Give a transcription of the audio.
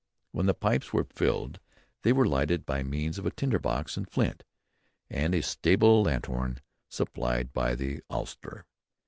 When the pipes were filled they were lighted by means of tinder box and flint, and a stable lanthorn supplied by the ostler.